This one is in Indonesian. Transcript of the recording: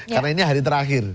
karena ini hari terakhir